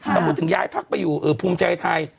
ถ้าผมถึงย้ายพักไปอยู่เออภูมิใจไทย